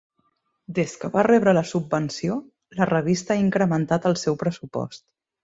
Des que va rebre la subvenció, la revista ha incrementat el seu pressupost.